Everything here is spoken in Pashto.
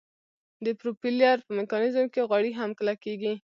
د پروپیلر په میکانیزم کې غوړي هم کلکیږي